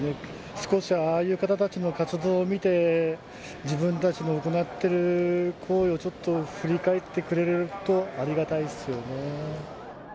少しはああいう方たちの活動を見て、自分たちの行ってる行為をちょっと、振り返ってくれるとありがたいっすよね。